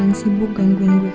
yang sibuk gangguin gue kayak tadi